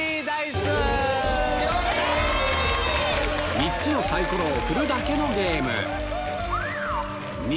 ３つのサイコロを振るだけのゲーム３